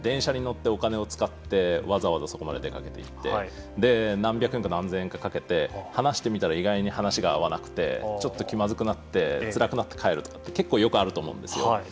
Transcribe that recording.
電車に乗ってお金を使ってわざわざ出かけていって何百円か何千円かかけて話してみたらお互いに話が合わなくてちょっと気まずくなってつらくなって帰るって結構よくあると思うんですよ。